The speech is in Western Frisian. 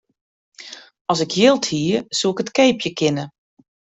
As ik jild hie, soe ik it keapje kinne.